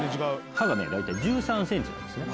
刃がね大体１３センチなんですね。